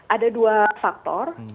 ada dua faktor